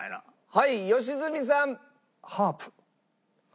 はい良純さん。ハープ。